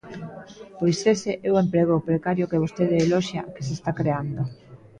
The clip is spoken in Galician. Pois ese é o emprego precario que vostede eloxia que se está creando.